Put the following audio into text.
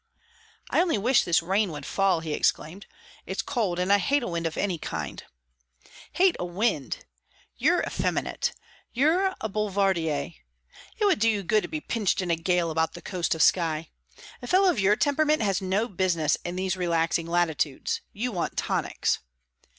"I only wish this wind would fall!" he exclaimed. "It's cold, and I hate a wind of any kind." "Hate a wind? You're effeminate; you're a boulevardier. It would do you good to be pitched in a gale about the coast of Skye. A fellow of your temperament has no business in these relaxing latitudes. You want tonics."